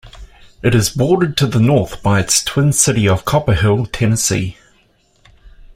It is bordered to the north by its twin city of Copperhill, Tennessee.